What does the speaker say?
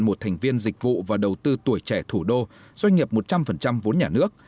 một thành viên dịch vụ và đầu tư tuổi trẻ thủ đô doanh nghiệp một trăm linh vốn nhà nước